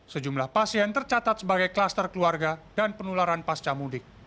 sejumlah pasien tercatat sebagai kluster keluarga dan penularan pasca mudik